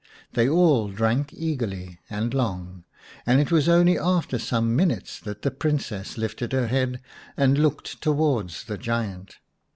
They all drank eagerly and long, and it was only after some minutes that the Princess lifted her 194 The Fairy Frog head and looked towards the giant.